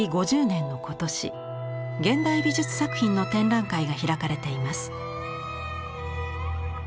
５０年の今年現代美術作品の展覧会が開かれています。